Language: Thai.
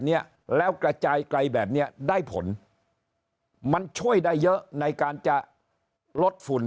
เนี้ยแล้วกระจายไกลแบบเนี้ยได้ผลมันช่วยได้เยอะในการจะลดฝุ่น